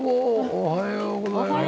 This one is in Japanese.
おはようございます。